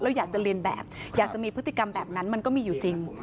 แล้วอยากจะเรียนแบบอยากจะมีพฤติกรรมแบบนั้นมันก็มีอยู่จริง